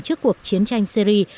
trước cuộc chiến tranh syri